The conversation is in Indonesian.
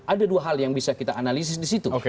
ada dua hal yang bisa kita analisis di situ